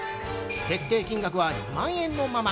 設定金額は２万円のまま。